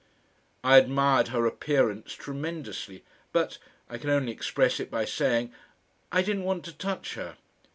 I admired her appearance tremendously but I can only express it by saying I didn't want to touch her.